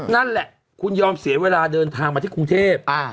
นั่นแหละคุณยอมเสียเวลาเดินทางมาที่กรุงเทพ